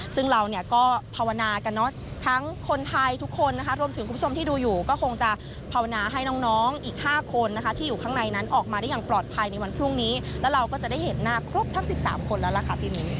ซึ่งเราเนี่ยก็ภาวนากันเนอะทั้งคนไทยทุกคนนะคะรวมถึงคุณผู้ชมที่ดูอยู่ก็คงจะภาวนาให้น้องน้องอีก๕คนนะคะที่อยู่ข้างในนั้นออกมาได้อย่างปลอดภัยในวันพรุ่งนี้แล้วเราก็จะได้เห็นหน้าครบทั้ง๑๓คนแล้วล่ะค่ะพี่มิ้น